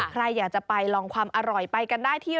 ใครอยากจะไปลองความอร่อยไปกันได้ที่